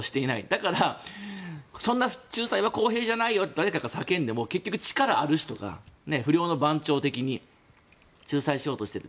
だから、そんな仲裁は公平じゃないよって誰かが叫んでも結局力ある人が不良の番長的に仲裁しようとしている。